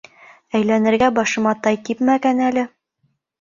Әйләнергә башыма тай типмәгән әле.